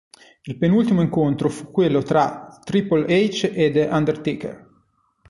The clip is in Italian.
Il penultimo incontro fu quello tra Triple H e The Undertaker.